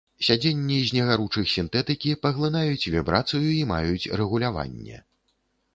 Сядзенні з негаручых сінтэтыкі паглынаюць вібрацыю і маюць рэгуляванне.